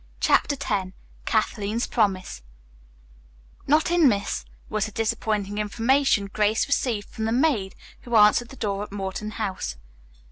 CHAPTER X KATHLEEN'S PROMISE "Not in, Miss," was the disappointing information Grace received from the maid who answered the door at Morton House.